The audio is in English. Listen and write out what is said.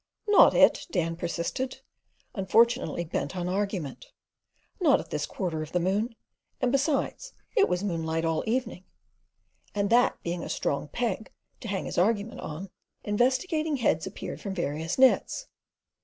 "Not it," Dan persisted, unfortunately bent on argument; "not at this quarter of the moon, and besides it was moonlight all evening," and, that being a strong peg to hang his argument on, investigating heads appeared from various nets.